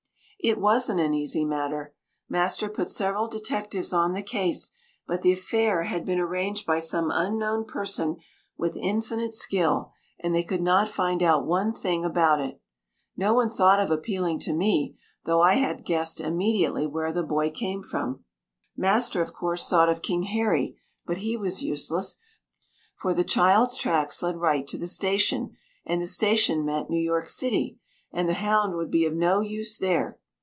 It wasn't an easy matter. Master put several detectives on the case, but the affair had been arranged by some unknown person with infinite skill, and they could not find out one thing about it. No one thought of appealing to me, though I had guessed immediately where the boy came from. Master of course thought of King Harry; but he was useless, for the child's tracks led right to the station, and the station meant New York city, and the hound would be of no use there.